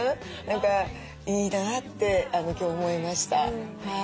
何かいいなって今日思いました。